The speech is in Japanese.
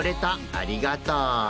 ありがとう。